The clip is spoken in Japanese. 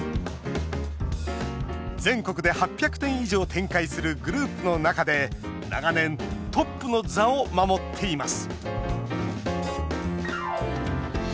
全国で８００店以上展開するグループの中で長年、トップの座を守っています。